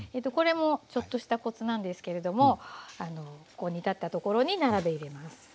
これもちょっとしたコツなんですけれども煮立ったところに並べ入れます。